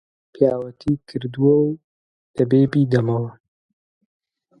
پیاوەتی کردووە و دەبێ بیدەمەوە